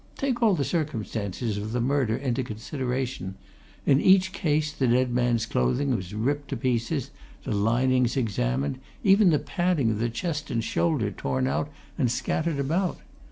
Take all the circumstances of the murder into consideration in each case the dead man's clothing was ripped to pieces, the linings examined, even the padding at chest and shoulder torn out and scattered about.